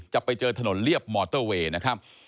จะไปเจอถนนเรียบมอเตอร์เวย์นะครับ